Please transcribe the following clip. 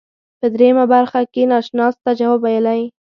په دریمه برخه کې ناشناس ته جواب ویلی.